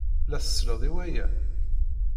La tselled i waya?